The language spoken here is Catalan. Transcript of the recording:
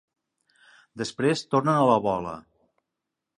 Després tornen a la bola.